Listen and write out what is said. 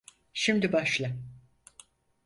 Şimdi başla.